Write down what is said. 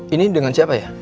ini dengan siapa ya